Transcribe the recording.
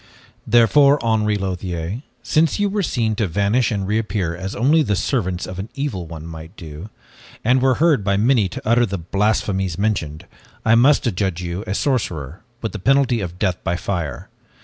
"Therefore, Henri Lothiere, since you were seen to vanish and to reappear as only the servants of the evil one might do, and were heard by many to utter the blasphemies mentioned, I must adjudge you a sorcerer with the penalty of death by fire.